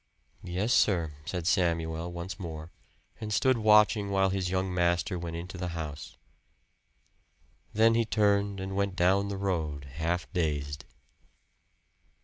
"Yes, sir," said Samuel once more, and stood watching while his young master went into the house. Then he turned and went down the road, half dazed.